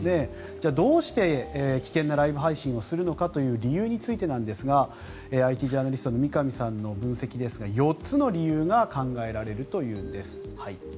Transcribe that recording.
じゃあ、どうして危険なライブ配信をするのかという理由についてなんですがＩＴジャーナリストの三上さんの分析ですが４つの理由が考えられるというんです。